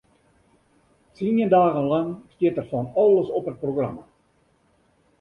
Tsien dagen lang stiet der fan alles op it programma.